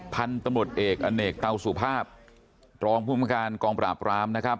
พันธุ์ตำรวจเอกอเนกเตาสุภาพรองภูมิการกองปราบรามนะครับ